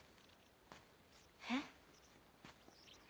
えっ？